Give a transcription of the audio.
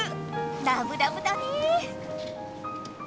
ラブラブだね！